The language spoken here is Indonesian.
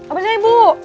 apa sih ibu